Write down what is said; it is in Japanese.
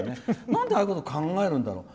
なんでああいうこと考えるんだろう。